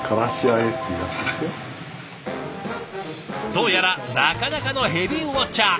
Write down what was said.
どうやらなかなかのヘビーウォッチャー。